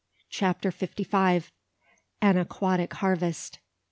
CHAPTER FIFTY FIVE. AN AQUATIC HARVEST.